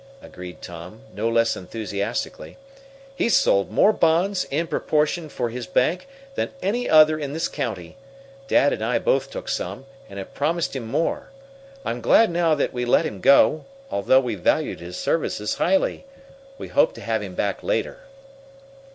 agreed Tom, no less enthusiastically. "He's sold more bonds, in proportion, for his bank, than any other in this county. Dad and I both took some, and have promised him more. I am glad now that we let him go, although we valued his services highly. We hope to have him back later."